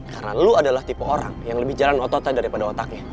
karena lo adalah tipe orang yang lebih jalan ototnya daripada otaknya